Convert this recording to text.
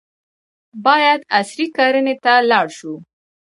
باید عصري کرنې ته لاړ شو.